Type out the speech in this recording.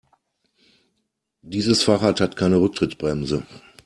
Dieses Fahrrad hat keine Rücktrittbremse.